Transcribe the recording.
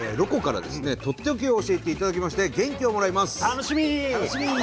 とっておきを教えていただきまして元気をもらいます。